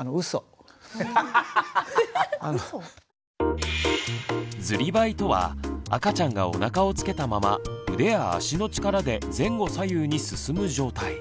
うそ⁉ずりばいとは赤ちゃんがおなかをつけたまま腕や脚の力で前後左右に進む状態。